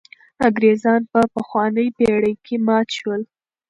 انګرېزان په پخوانۍ پېړۍ کې مات شول.